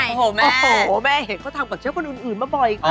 โอ้โหแม่เห็นเค้าทำกับเชฟคนอื่นมาบ่อยค่ะ